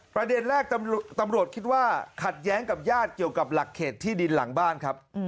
ประเด็นแรกตำรวจคิดว่าขัดแย้งกับญาติเกี่ยวกับหลักเขตที่ดินหลังบ้านครับ